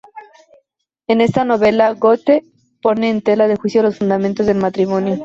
En esta novela, Goethe pone en tela de juicio los fundamentos del matrimonio.